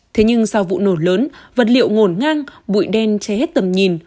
thế nhưng sau vụ nổ lớn vật liệu ngồn ngang bụi đen che hết tầm nhìn